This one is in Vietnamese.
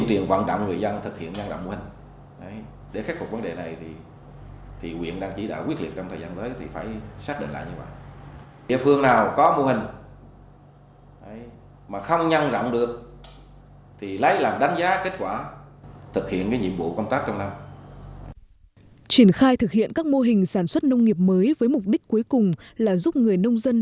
trịnh khai thực hiện các mô hình sản xuất nông nghiệp mới với mục đích cuối cùng là giúp người nông dân